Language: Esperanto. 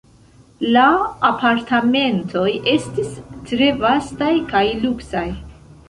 La apartamentoj estis tre vastaj kaj luksaj.